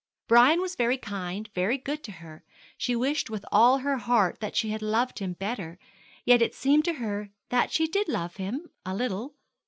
Brian was very kind, very good to her; she wished with all her heart that she had loved him better; yet it seemed to her that she did love him a little.